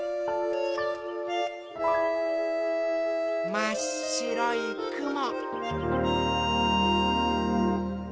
まっしろいくも。